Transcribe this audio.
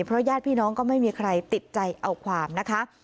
เพราะญาติพี่น้องก็ไม่มีใครติดใจเอาความนะคะ